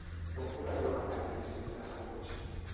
Com puc arribar a Marganell sense agafar el cotxe?